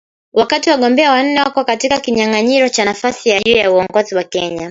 Wakati wagombea wanne wako katika kinyang’anyiro cha nafasi ya juu ya uongozi Kenya.